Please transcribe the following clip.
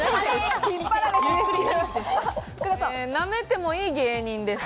なめてもいい芸人です。